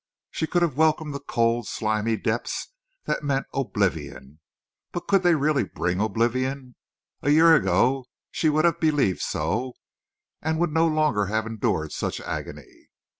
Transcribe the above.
She could have welcomed the cold, slimy depths that meant oblivion. But could they really bring oblivion? A year ago she would have believed so, and would no longer have endured such agony.